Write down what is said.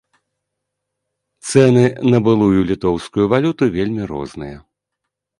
Цэны на былую літоўскую валюту вельмі розныя.